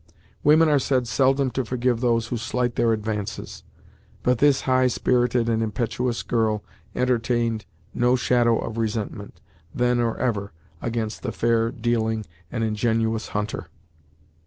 Women are said seldom to forgive those who slight their advances, but this high spirited and impetuous girl entertained no shadow of resentment, then or ever, against the fair dealing and ingenuous hunter.